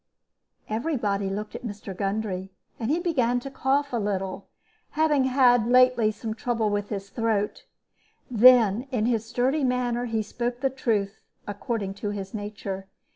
Every body looked at Mr. Gundry, and he began to cough a little, having had lately some trouble with his throat. Then in his sturdy manner he spoke the truth, according to his nature.